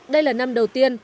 đây là năm đầu tiên